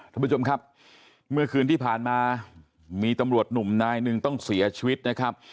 ท่านผู้ชมครับเมื่อคืนที่ผ่านมามีตำรวจหนุ่มนายหนึ่งต้องเสียชีวิตนะครับ